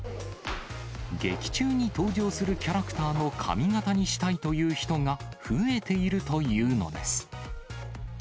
劇中に登場するキャラクターの髪形にしたいという人が、増えているというのです。